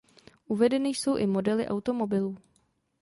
Uvedeny jsou i modely automobilů.